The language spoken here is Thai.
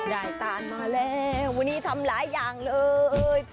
ตานมาแล้ววันนี้ทำหลายอย่างเลย